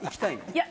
いや。